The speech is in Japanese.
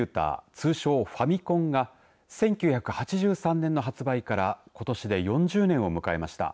通称ファミコンが１９８３年の発売からことしで４０年を迎えました。